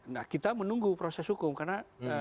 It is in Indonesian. nah kita menunggu proses hukum karena